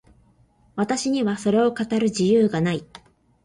私にはそれを語る自由がない。